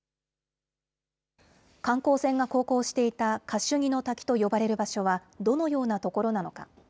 観光船が航行していたカシュニの滝と呼ばれる場所はどのような所なのか。